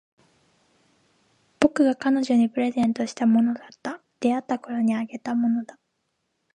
僕が彼女にプレゼントしたものだった。出会ったころにあげたものだ。